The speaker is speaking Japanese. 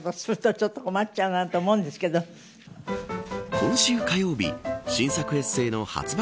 今週火曜日、新作エッセイの発売